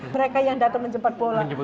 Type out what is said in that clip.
mereka yang datang menjemput bola